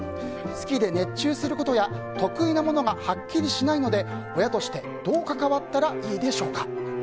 好きで熱中することや得意なものがはっきりしないので、親としてどう関わったらいいでしょうか。